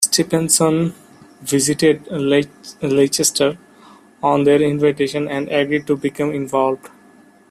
Stephenson visited Leicester on their invitation and agreed to become involved.